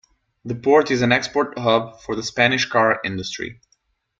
The port is an export hub for the Spanish car industry.